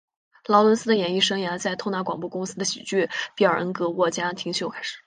劳伦斯的演艺生涯在透纳广播公司的喜剧比尔恩格沃家庭秀开始。